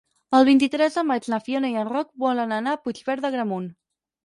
El vint-i-tres de maig na Fiona i en Roc volen anar a Puigverd d'Agramunt.